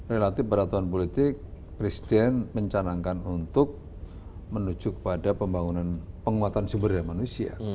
dua ribu sembilan belas relatif peraturan politik presiden mencanangkan untuk menuju ke pembangunan penguatan sumber dari manusia